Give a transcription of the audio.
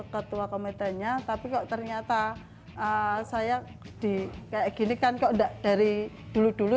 ketua komitenya tapi kok ternyata saya di kayak gini kan kok enggak dari dulu dulu